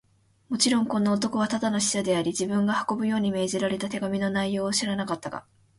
もちろん、この男はただの使者であり、自分が運ぶように命じられた手紙の内容を知らなかったが、